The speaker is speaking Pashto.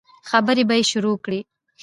خبرې به يې شروع کړې.